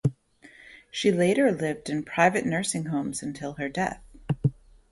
She later lived in private nursing homes until her death.